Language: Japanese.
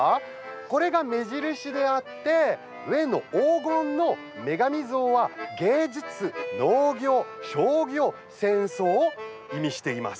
これが目印であって上の黄金の女神像は芸術、農業、商業、戦争を意味しています。